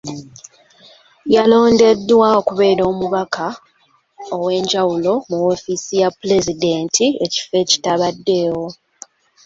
Yalondeddwa okubeera omubaka ow’enjawulo mu woofiisi ya Pulezidenti ekifo ekitabaddeewo.